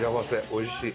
おいしい。